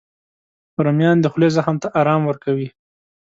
رومیان د خولې زخم ته ارام ورکوي